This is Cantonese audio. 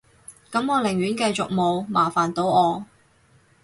噉我寧願繼續冇，麻煩到我